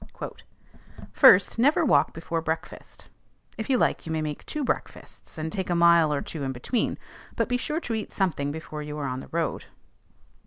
"First, never walk before breakfast. If you like you may make two breakfasts, and take a mile or two between; but be sure to eat something before you are on the road.